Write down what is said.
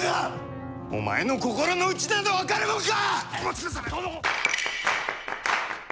お前の心のうちなど分かるもんか！